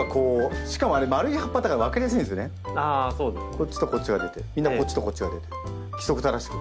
こっちとこっちが出てみんなこっちとこっちが出て規則正しく。